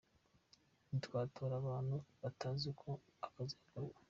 Ntitwatora abantu batazi uko akazi gakorwa.